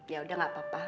yaudah gak apa apa